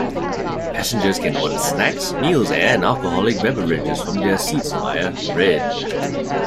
Passengers can order snacks, meals, and alcoholic beverages from their seats via "Red".